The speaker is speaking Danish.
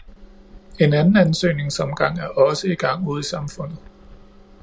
En anden ansøgningsomgang er også i gang ude i samfundet.